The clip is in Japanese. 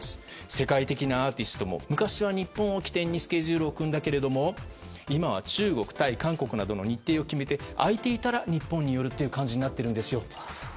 世界的なアーティストも昔は日本を起点にスケジュールを組んだけれども今は中国、タイ、韓国などの空いていたら日本に寄るという感じになっているんですよと。